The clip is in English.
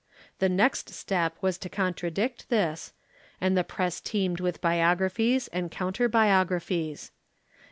The next step was to contradict this, and the press teemed with biographies and counter biographies.